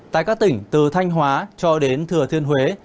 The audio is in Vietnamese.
tại các tỉnh từ thanh hóa cho đến thừa thiên huế